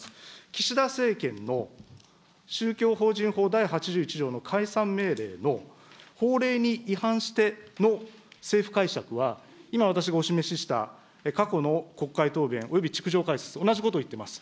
岸田政権の宗教法人法第８１条解散命令の法令に違反しての政府解釈は、今、私がお示しした過去の国会答弁、および逐条解説、同じことをいっています。